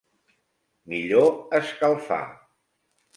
Millor escalfar.